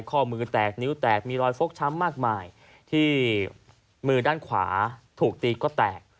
ข้อมือแตกนิ้วแตกมีรอยฟกช้ำมากมายที่มือด้านขวาถูกตีก็แตก